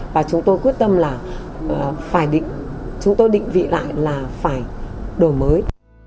và chúng tôi quyết tâm là phải chúng tôi định vị lại là phải đổi mới